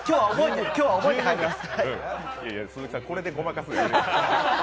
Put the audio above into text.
今日は覚えて帰ります。